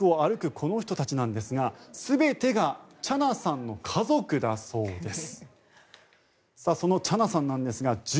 この人たちなんですが全てがチャナさんの家族だそうです。